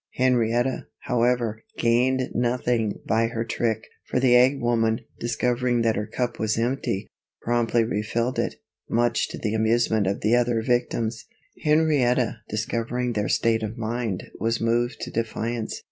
Henrietta, however, gained nothing by her trick, for the egg woman, discovering that her cup was empty, promptly refilled it, much to the amusement of the other victims. Henrietta, discovering their state of mind, was moved to defiance.